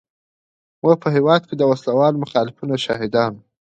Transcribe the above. موږ په هېواد کې د وسله والو مخالفینو شاهدان وو.